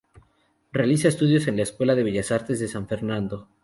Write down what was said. Realiza estudios en la Escuela de Bellas Artes de San Fernando.